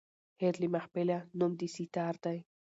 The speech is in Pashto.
هېر له محفله نوم د سیتار دی